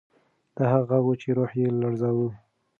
دا هغه غږ و چې روح یې لړزاوه.